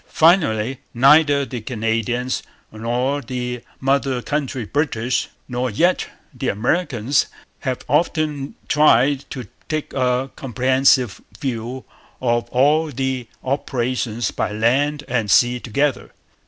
Finally, neither the Canadians, nor the mother country British, nor yet the Americans, have often tried to take a comprehensive view of all the operations by land and sea together.